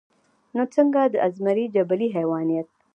نو څنګه د ازمري جبلي حېوانيت